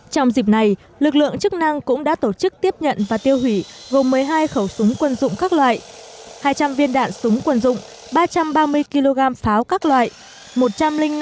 trong dịp này lực lượng chức năng cũng đã tổ chức tiếp nhận và tiêu hủy gồm một mươi hai khẩu súng quân dụng các loại hai trăm linh viên đạn súng quân dụng ba trăm ba mươi kg pháo các loại